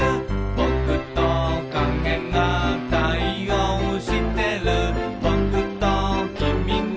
「ぼくときみが対応してる」